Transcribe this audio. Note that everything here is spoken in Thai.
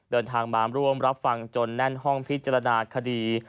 เดินทางมาร่วมรับฟังจนแน่นห้องพิจารณาคดี